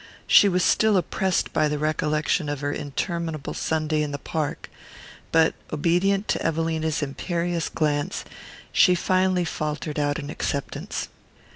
She was still oppressed by the recollection of her interminable Sunday in the Park; but, obedient to Evelina's imperious glance, she finally faltered out an acceptance.